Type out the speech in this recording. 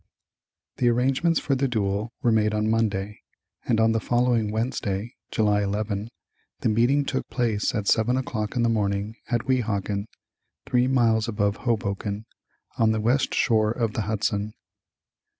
The arrangements for the duel were made on Monday, and on the following Wednesday (July 11) the meeting took place at seven o'clock in the morning at Weehawken, three miles above Hoboken, on the west shore of the Hudson.